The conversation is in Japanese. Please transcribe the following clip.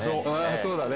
そうだね。